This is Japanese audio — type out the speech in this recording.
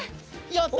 やった。